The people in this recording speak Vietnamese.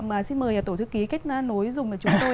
mà xin mời tổ thư ký kết nối dùng với chúng tôi